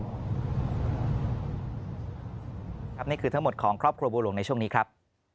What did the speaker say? ครับนี่คือทั้งหมดของครอบครูโบร่งในช่วงนี้ครับ